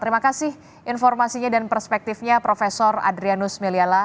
terima kasih informasinya dan perspektifnya prof adrianus meliala